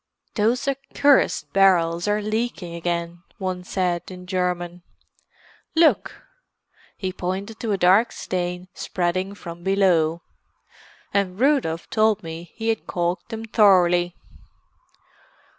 "Those accursed barrels are leaking again," one said, in German. "Look!" He pointed to a dark stain spreading from below. "And Rudolf told me he had caulked them thoroughly."